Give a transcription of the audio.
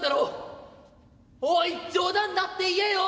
おい冗談だって言えよ！」。